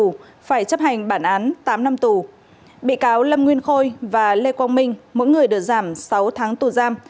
tù phải chấp hành bản án tám năm tù bị cáo lâm nguyên khôi và lê quang minh mỗi người được giảm sáu tháng tù giam